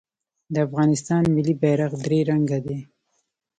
د افغانستان ملي بیرغ درې رنګه دی